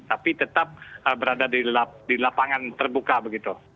tapi tetap berada di lapangan terbuka begitu